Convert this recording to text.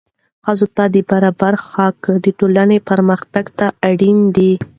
ښځو ته د برابرۍ حق د ټولنې پرمختګ ته اړین دی.